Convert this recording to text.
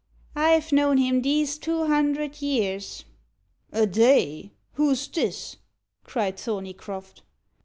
"I've known him these two hundred years." "Eh day! who's this?" cried Thorneycroft.